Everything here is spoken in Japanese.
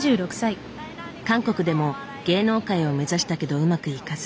韓国でも芸能界を目指したけどうまくいかず。